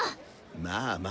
まあまあ。